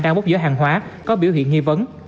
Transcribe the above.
trong một khu vực giữa hàng hóa có biểu hiện nghi vấn